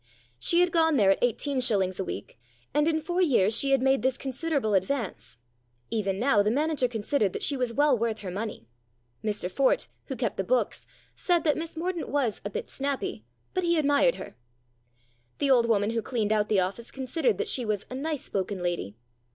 She had gone there at eighteen shillings a week, and in four years she had made this considerable advance. Even now the manager considered that she was well worth her money. Mr Fort, who kept the books, said that Miss Mordaunt was " a bit snappy," but he admired her, 164 STORIES IN GREY The old woman who cleaned out the office con sidered that she was " a nice spoken lady."